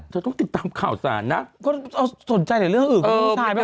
เธอต้องติดตามข่าวสารนะก็เอาสนใจอะไรเรื่องอื่นก็ไม่ใช่